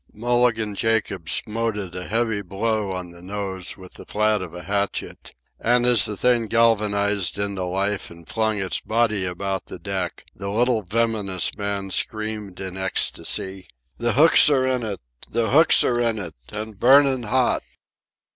Mulligan Jacobs smote it a heavy blow on the nose with the flat of a hatchet, and as the thing galvanized into life and flung its body about the deck the little venomous man screamed in ecstasy: "The hooks are in it!—the hooks are in it!—and burnin' hot!"